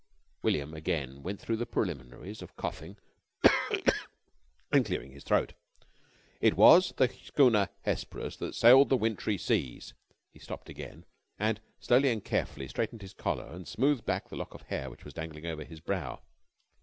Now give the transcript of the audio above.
William again went through the preliminaries of coughing and clearing his throat. "It was the schooner Hesperus that sailed the wintry seas." He stopped again, and slowly and carefully straightened his collar and smoothed back the lock of hair which was dangling over his brow.